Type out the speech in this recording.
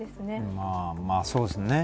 まあ、そうですね。